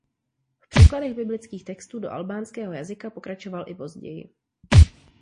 V překladech biblických textů do albánského jazyka pokračoval i později.